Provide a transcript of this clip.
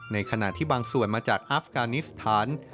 ในขณะที่บางส่วนมาจากอัฟกานิสถาน